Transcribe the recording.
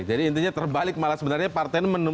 jadi intinya terbalik malah sebenarnya partai ini